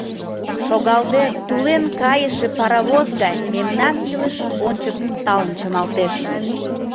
Шогалде тулен кайыше паровоз гай мемнан илыш ончык талын чымалтеш.